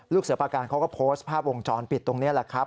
เสือประการเขาก็โพสต์ภาพวงจรปิดตรงนี้แหละครับ